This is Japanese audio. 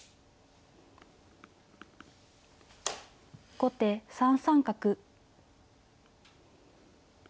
後手３三角。